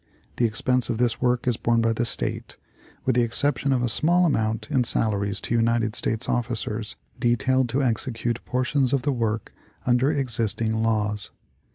The expense of this work is borne by the State, with the exception of a small amount in salaries to United States officers detailed to execute portions of the work under existing laws.